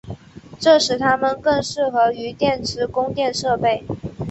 这使它们更适合于电池供电设备。